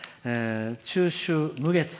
「中秋無月」